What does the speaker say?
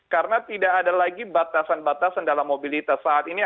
karena tidak ada lagi batasan batasan dalam mobilitas saat ini